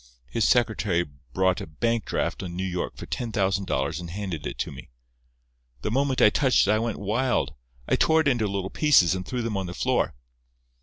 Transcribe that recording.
His secretary brought a bank draft on New York for ten thousand dollars and handed it to me. The moment I touched it I went wild. I tore it into little pieces and threw them on the floor.